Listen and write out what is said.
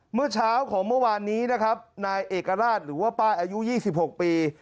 เมื่อเช้าของเมื่อวานนี้นะครับนายเอกราชหรือว่าป้ายอายุ๒๖ปี